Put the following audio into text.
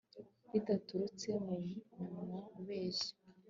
ridaturutse mu munwa ubeshya